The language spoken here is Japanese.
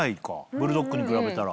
ブルドックに比べたら。